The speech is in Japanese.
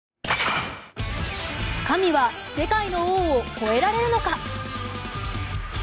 神は世界の王を超えられるのか。